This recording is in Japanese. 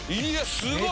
すごい！